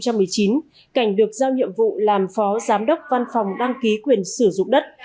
cảnh được giao nhiệm vụ làm phó giám đốc văn phòng đăng ký quyền sử dụng đất